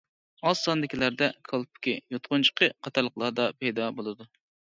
ئاز ساندىكىلەردە كالپۇكى، يۇتقۇنچىقى قاتارلىقلاردا پەيدا بولىدۇ.